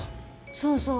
そうそう。